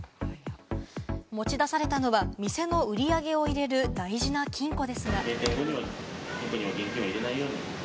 持ち出されたのは店の売り上げを入れる大事な金庫ですが。